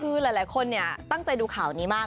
คือหลายคนตั้งใจดูข่าวนี้มาก